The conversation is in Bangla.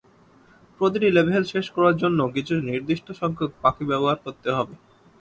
প্রতিটি লেভেল শেষ করার জন্য কিছু নির্দিষ্টসংখ্যক পাখি ব্যবহার করতে হবে।